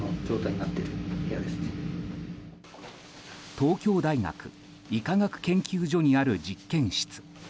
東京大学医科学研究所にある実験室。